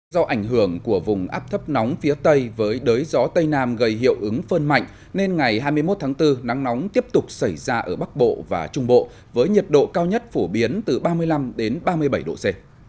do ảnh hưởng của vùng áp thấp nóng phía tây với đới gió tây nam gây hiệu ứng phơn mạnh nên ngày hai mươi một tháng bốn nắng nóng tiếp tục xảy ra ở bắc bộ và trung bộ với nhiệt độ cao nhất phổ biến từ ba mươi năm ba mươi bảy độ c